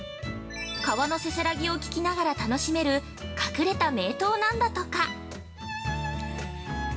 川のせせらぎを聞きながら楽しめる隠れた名湯なんだとか。